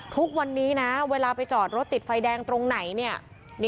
ทุกวันนี้เวลาไปจอดรถติดไฟแดงตรงไหน